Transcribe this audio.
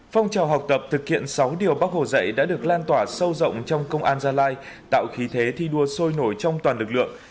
phong trào học tập thực hiện sáu điều bác hồ dạy đã được lan tỏa sâu rộng trong công an gia lai tạo khí thế thi đua sôi nổi trong toàn lực lượng